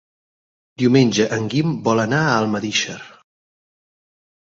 Diumenge en Guim vol anar a Almedíxer.